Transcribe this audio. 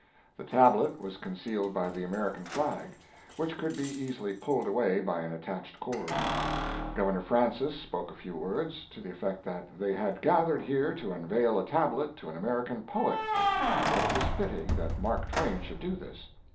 The tablet was concealed by the American flag, which could be easily pulled away by an attached cord. Governor Francis spoke a few words, to the effect that they had gathered here to unveil a tablet to an American poet, and that it was fitting that Mark Twain should do this.